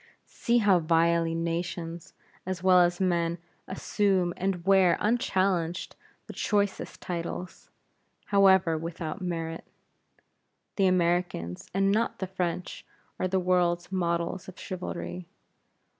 See how vilely nations, as well as men, assume and wear unchallenged the choicest titles, however without merit. The Americans, and not the French, are the world's models of chivalry.